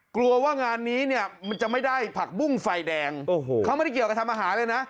กลัวว่างานนี้จะไม่ได้ผักบุ้งไฟแดงเขาไม่ได้เกี่ยวกับทำอาหารเลยนะ